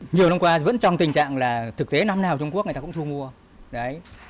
nhiều năm qua vẫn trong tình trạng là thực tế năm nào trung quốc người ta cũng thu mua